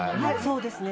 そうですね。